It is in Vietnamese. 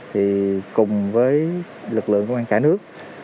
thì cùng với lực lượng công an cả nước